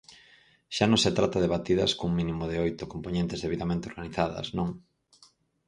Xa non se trata de batidas cun mínimo de oito compoñentes debidamente organizadas, non.